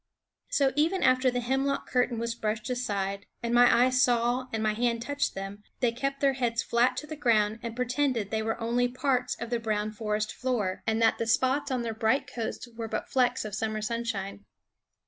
So even after the hemlock curtain was brushed aside, and my eyes saw and my hand touched them, they kept their heads flat to the ground and pretended that they were only parts of the brown forest floor, and that the spots on their bright coats were but flecks of summer sunshine.